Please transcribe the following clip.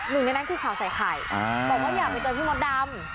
หนึ่งในนั้นคือข่าวใส่ไข่บอกว่าอยากไปเจอพี่มดดำ